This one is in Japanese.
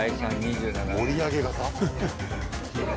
盛り上げ型？